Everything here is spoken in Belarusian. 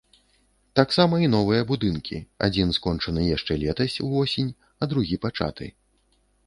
Таксама і новыя будынкі, адзін скончаны яшчэ летась, увосень, а другі пачаты.